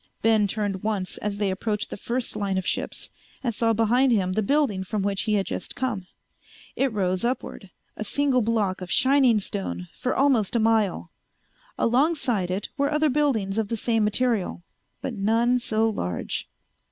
Ben turned once as they approached the first line of ships and saw behind him the building from which he had just come. It rose upward, a single block of shining stone, for almost a mile. Alongside it were other buildings of the same material, but none so large.